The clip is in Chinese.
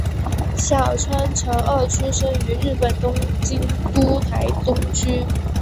小川诚二出生于日本东京都台东区。